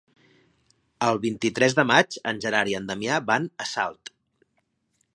El vint-i-tres de maig en Gerard i en Damià van a Salt.